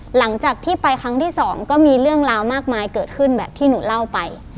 หลังจากที่ไปครั้งที่สองก็มีเรื่องราวมากมายเกิดขึ้นแบบที่หนูเล่าไป